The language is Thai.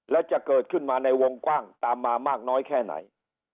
แล้วจะเกิดขึ้นมาในวงกว้างตามมามากน้อยแค่ไหน